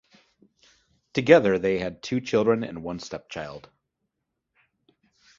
Together they had two children and one step child.